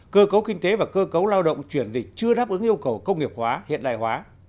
cơ cấu kinh tế và cơ cấu lao động chuyển dịch chưa đáp ứng yêu cầu công nghiệp hóa hiện đại hóa